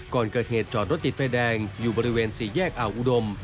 ก่อนเกิดเหตุจอดรถติดไฟแดงอยู่บริเวณสี่แยกอ่าวอุดม